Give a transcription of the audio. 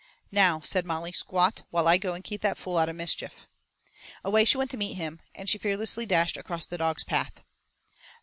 "Now," said Molly, "squat while I go and keep that fool out of mischief." Away she went to meet him and she fearlessly dashed across the dog's path.